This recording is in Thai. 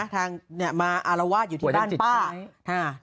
ทางเนี่ยมาอารวาสอยู่ที่บ้านป้า